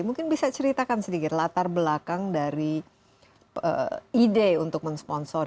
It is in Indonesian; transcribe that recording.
mungkin bisa ceritakan sedikit latar belakang dari ide untuk mensponsor